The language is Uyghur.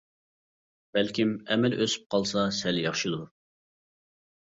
بەلكىم ئەمىلى ئۆسۈپ قالسا سەل ياخشىدۇر.